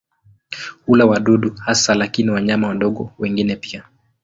Hula wadudu hasa lakini wanyama wadogo wengine pia.